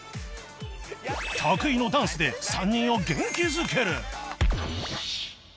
得意のダンスで３人を元気づける！